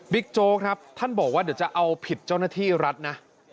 โจ๊กครับท่านบอกว่าเดี๋ยวจะเอาผิดเจ้าหน้าที่รัฐนะ